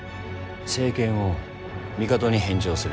政権を帝に返上する。